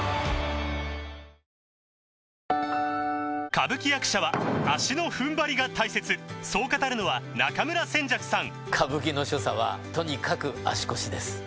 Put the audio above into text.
歌舞伎役者は足の踏ん張りが大切そう語るのは中村扇雀さん